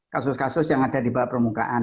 kasus kasus yang ada di bawah permukaan